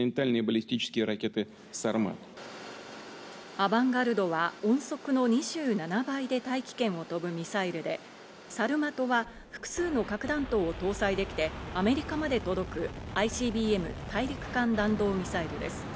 アバンガルドは音速の２７倍で大気圏を飛ぶミサイルで、サルマトは複数の核弾頭を搭載できてアメリカまで届くＩＣＢＭ＝大陸間弾道ミサイルです。